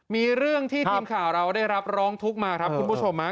มีเรื่องที่ทีมข่าวเราได้รับร้องทุกข์มาครับคุณผู้ชมฮะ